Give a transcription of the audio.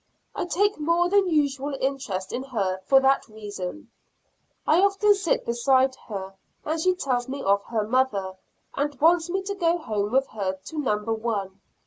I take more than usual interest in her for that reason. I often sit beside her and she tells me of her mother, and wants me to go home with her to number one.